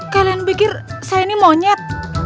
kalian pikir saya ini monyet